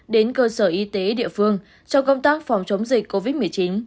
đến cơ sở y tế địa phương cho công tác phòng chống dịch covid một mươi chín